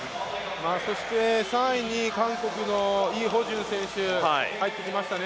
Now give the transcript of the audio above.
３位に、韓国のイ・ホジュン選手が入ってきましたね。